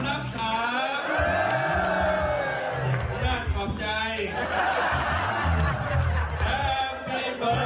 มันเห็นสูงอยู่